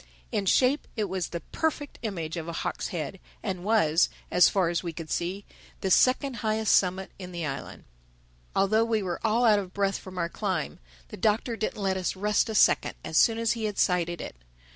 In shape it was the perfect image of a hawk's head, and was, as far as we could see, the second highest summit in the island. Although we were all out of breath from our climb, the Doctor didn't let us rest a second as soon as he had sighted it.